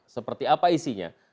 seperti apa isinya